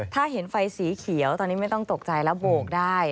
ถ้าเห็นไฟสีเขียวตอนนี้ไม่ต้องตกใจแล้วโบกได้